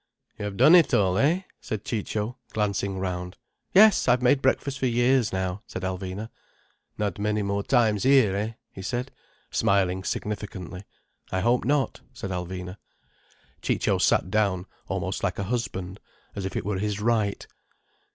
"You have done it all, eh?" said Ciccio, glancing round. "Yes. I've made breakfast for years, now," said Alvina. "Not many more times here, eh?" he said, smiling significantly. "I hope not," said Alvina. Ciccio sat down almost like a husband—as if it were his right.